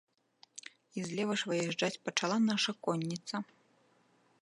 І злева ж выязджаць пачала наша конніца.